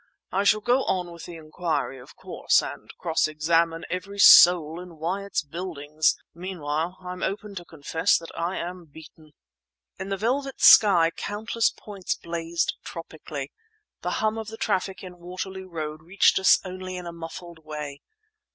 I shall go on with the inquiry, of course, and cross examine every soul in Wyatt's Buildings. Meanwhile, I'm open to confess that I am beaten." In the velvet sky countless points blazed tropically. The hum of the traffic in Waterloo Road reached us only in a muffled way.